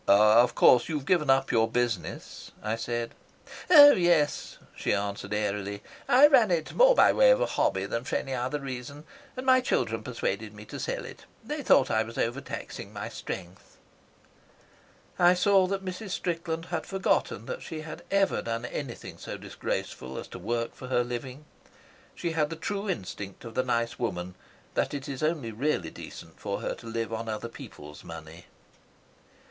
"Of course you've given up your business," I said. "Oh, yes," she answered airily. "I ran it more by way of a hobby than for any other reason, and my children persuaded me to sell it. They thought I was overtaxing my strength." I saw that Mrs. Strickland had forgotten that she had ever done anything so disgraceful as to work for her living. She had the true instinct of the nice woman that it is only really decent for her to live on other people's money.